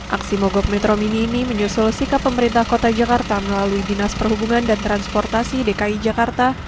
aksi mogok metro mini ini menyusul sikap pemerintah kota jakarta melalui dinas perhubungan dan transportasi dki jakarta